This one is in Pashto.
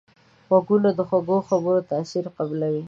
غوږونه د خوږو خبرو تاثیر قبلوي